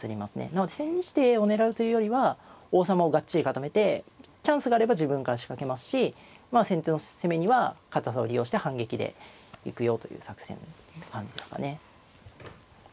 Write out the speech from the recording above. なので千日手を狙うというよりは王様をがっちり固めてチャンスがあれば自分から仕掛けますし先手の攻めには堅さを利用して反撃で行くよという作戦って感じですかね。